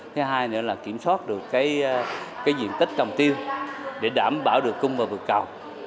thứ hai nữa là kiểm soát được diện tích trồng tiêu để đảm bảo được cung và vượt cầu